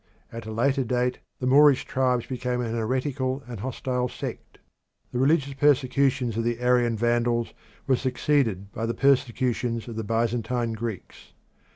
At a later date the Moorish tribes became an heretical and hostile sect; the religious persecutions of the Arian Vandals were succeeded by the persecutions of the Byzantine Greeks.